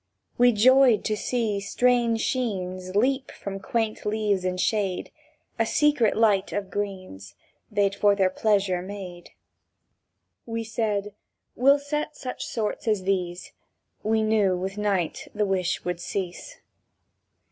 We joyed to see strange sheens Leap from quaint leaves in shade; A secret light of greens They'd for their pleasure made. We said: "We'll set such sorts as these!" —We knew with night the wish would cease.